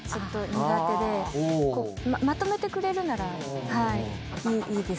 まとめてくれるならいいです。